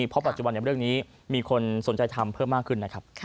เพราะปัจจุบันในเรื่องนี้มีคนสนใจทำเพิ่มมากขึ้นนะครับ